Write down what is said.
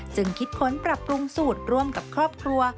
คิดค้นปรับปรุงสูตรร่วมกับครอบครัว